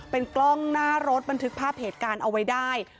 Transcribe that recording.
เป็นกล้องหน้ารถบันทึกภาพเหตุการณ์เอาไว้ได้